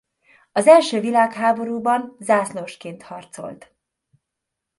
Az első világháborúban zászlósként harcolt.